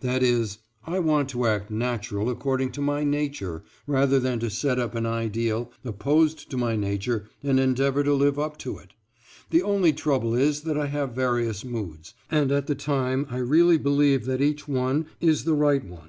That is, I want to act natural according to my nature rather than to set up an ideal opposed to my nature and endeavor to live up to it. The only trouble is that I have various moods, and at the time I really believe that each one is the right one.